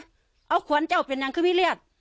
ภรรยาก็บอกว่านายเทวีอ้างว่าไม่จริงนายทองม่วนขโมย